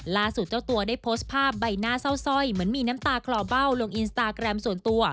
เจ้าตัวได้โพสต์ภาพใบหน้าเศร้าสร้อยเหมือนมีน้ำตาคลอเบ้าลงอินสตาแกรมส่วนตัว